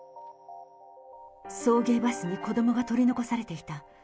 送迎バスに子どもが取り残されていた。